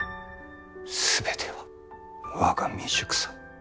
全ては我が未熟さ。